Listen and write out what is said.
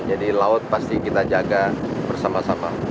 jadi laut pasti kita jaga bersama sama